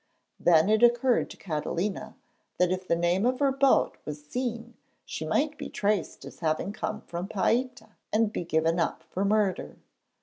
Then it occurred to Catalina that if the name of her boat was seen she might be traced as having come from Paita, and be given up for murder.